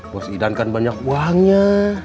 bos idan kan banyak uangnya